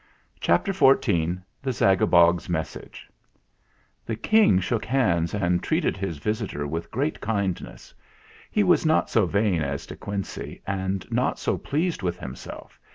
CHAPTER XIV THE ZAGABOG'S MESSAGE The King shook hands and treated his vis itor with great kindness. He was not so vain as De Quincey and not so pleased with him self.